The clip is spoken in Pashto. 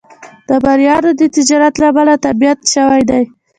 د مریانو د تجارت له امله تبعید شوی دی.